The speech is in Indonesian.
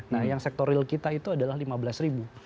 nah yang sektor real kita itu adalah lima belas ribu